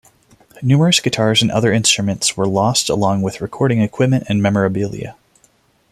Numerous guitars and other instruments were lost along with recording equipment and memorabilia.